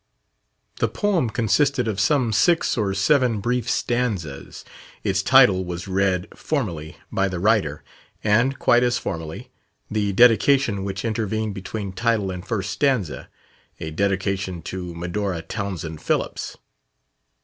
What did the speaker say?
The poem consisted of some six or seven brief stanzas. Its title was read, formally, by the writer; and, quite as formally, the dedication which intervened between title and first stanza, a dedication to "Medora Townsend Phillips."